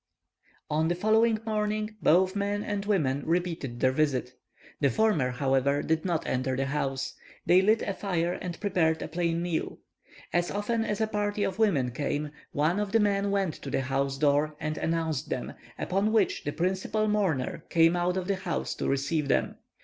On the following morning, both men and women repeated their visit. The former, however, did not enter the house; they lit a fire and prepared a plain meal. As often as a party of women came, one of the men went to the house door and announced them, upon which the principal mourner came out of the house to receive them.